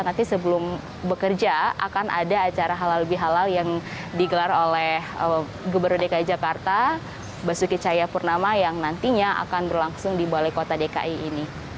nanti sebelum bekerja akan ada acara halal bihalal yang digelar oleh gubernur dki jakarta basuki cahayapurnama yang nantinya akan berlangsung di balai kota dki ini